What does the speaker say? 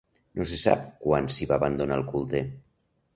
No se sap quan s'hi va abandonar el culte.